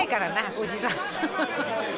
おじさん。